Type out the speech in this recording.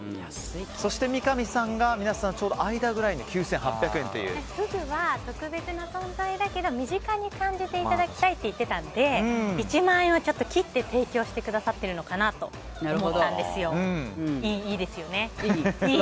そして、三上さんが皆さんのちょうど間くらいのフグは特別な存在だけど身近に感じていただきたいって言ってたので１万円を切って提供してくださっているかなと思ったんですよ。